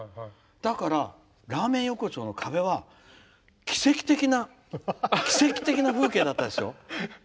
だから、ラーメン横丁の壁は奇跡的な風景だったんですよ。